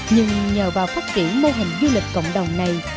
nhưng nhờ vào phát triển mô hình du lịch cộng đồng này